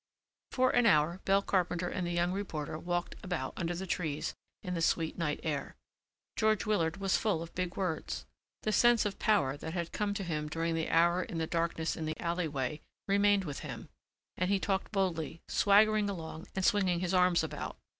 For an hour Belle Carpenter and the young reporter walked about under the trees in the sweet night air. George Willard was full of big words. The sense of power that had come to him during the hour in the darkness in the alleyway remained with him and he talked boldly, swaggering along and swinging his arms about.